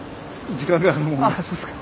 あっそうですか。